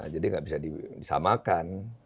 jadi nggak bisa disamakan